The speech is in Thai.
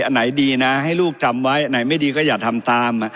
อันไหนดีนะให้ลูกจำไว้ไหนไม่ดีก็อย่าทำตาม